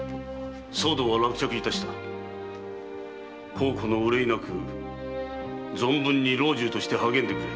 後顧の憂いなく存分に老中として励んでくれ。